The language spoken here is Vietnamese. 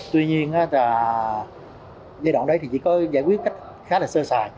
tuy nhiên là giai đoạn đấy thì chỉ có giải quyết cách khá là sơ sài